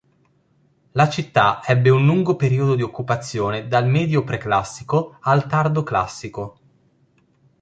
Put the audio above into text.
La città ebbe un lungo periodo di occupazione dal Medio Preclassico al Tardo Classico.